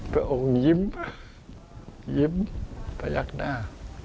พระองค์ยิ้มยิ้มพยักหน้า